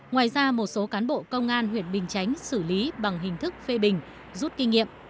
ngoài ra một số cán bộ công an huyện bình chánh xử lý bằng hình thức phê bình rút kinh nghiệm